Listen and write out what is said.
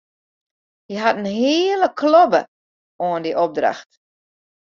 Hy hat in hiele klobbe oan dy opdracht.